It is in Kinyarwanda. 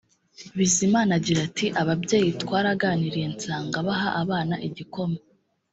Bizimana agira ati “Ababyeyi twaraganiriye nsanga baha abana igikoma